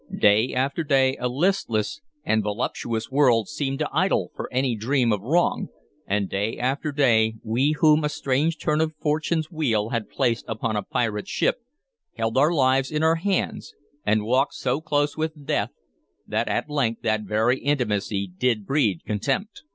Day after day a listless and voluptuous world seemed too idle for any dream of wrong, and day after day we whom a strange turn of Fortune's wheel had placed upon a pirate ship held our lives in our hands, and walked so close with Death that at length that very intimacy did breed contempt.